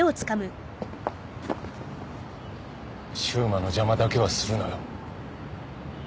柊磨の邪魔だけはするなよ。